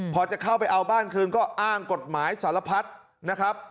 พอจะเข้าไปเอาบ้านคืนก็อ้างกฎหมายสารพัดนะครับ